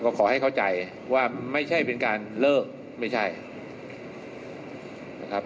ก็ขอให้เข้าใจว่าไม่ใช่เป็นการเลิกไม่ใช่นะครับ